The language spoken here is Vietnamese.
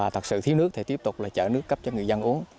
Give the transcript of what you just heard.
thực sự thiếu nước tiếp tục chở nước cấp cho người dân uống